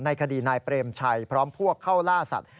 คดีนายเปรมชัยพร้อมพวกเข้าล่าสัตว